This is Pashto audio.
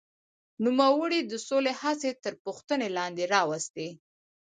نوموړي د سولې هڅې تر پوښتنې لاندې راوستې.